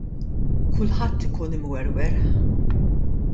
Kulħadd ikun imwerwer.